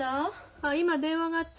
ああ今電話があった。